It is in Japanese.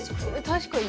確かに。